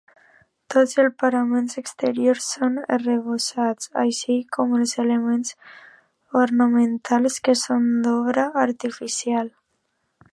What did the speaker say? Tots els paràmetres exteriors són arrebossats, així com els elements ornamentals que són d'obra artificial.